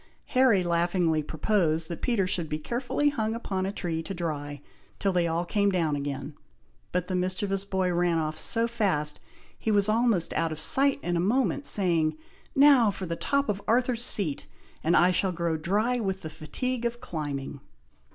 Harry laughingly proposed that Peter should be carefully hung upon a tree to dry, till they all came down again; but the mischievous boy ran off so fast, he was almost out of sight in a moment, saying, "Now for the top of Arthur's Seat, and I shall grow dry with the fatigue of climbing."